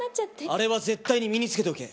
あれは絶対に身につけておけ！